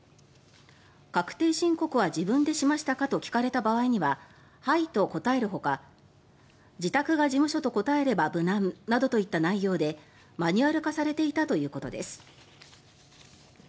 確定申告は自分でしましたかと聞かれた場合にははいと答えるほか自宅が事務所と答えれば無難などといった内容でマニュアル化されていたということです。